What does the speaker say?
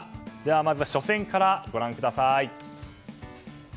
まずは初戦からご覧ください。